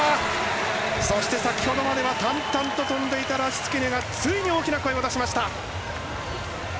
そして先ほどまでは淡々と跳んでいたラシツケネがついに大きな声を出しました。